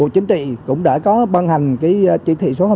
chính trị cũng đã có bàn hành chỉ thị số hai mươi sáu